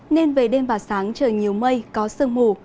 nên về đêm và sáng trời nhiều mây có sương mù